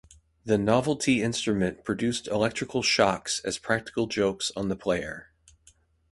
The novelty instrument produced electrical shocks as practical jokes on the player.